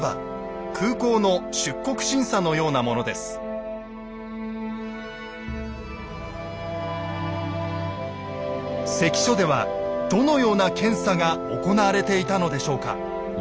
いわば関所ではどのような検査が行われていたのでしょうか？